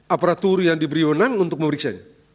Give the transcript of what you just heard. aparatur yang diberi menang untuk memeriksa